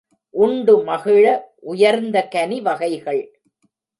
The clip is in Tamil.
உண்டு மகிழ உயர்ந்த கனி வகைகள்!